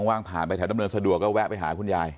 ว่างผ่านไปแถวดำเนินสะดวกก็แวะไปหาคุณยาย